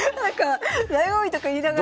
だいご味とか言いながら。